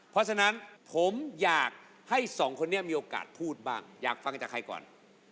เพราะฉะนั้นผมอยากให้สองคนนี้มีโอกาสพูดบ้างอยากฟังจากใครก่อน